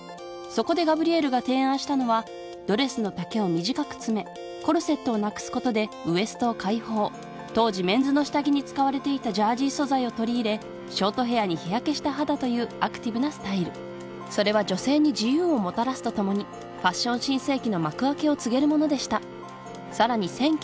そこでガブリエルが提案したのはドレスの丈を短く詰めコルセットをなくすことでウエストを解放当時メンズの下着に使われていたジャージー素材を取り入れショートヘアに日焼けした肌というアクティブなスタイルそれは女性に自由をもたらすとともにファッション新世紀の幕開けを告げるものでしたさらに